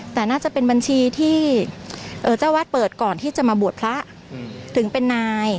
แต่น่าจะเป็นบัญชีที่เจ้าวัดเปิดก่อนที่จะมาบวชพระถึงเป็นนาย